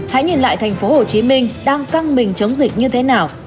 hãy nhìn lại thành phố hồ chí minh đang căng mình chống dịch như thế nào